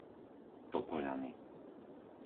Topoľany